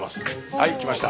はい来ました。